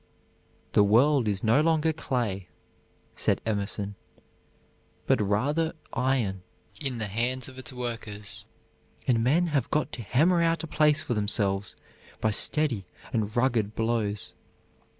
"The world is no longer clay," said Emerson, "but rather iron in the hands of its workers, and men have got to hammer out a place for themselves by steady and rugged blows."